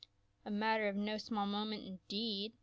"A matter of no small moment indeed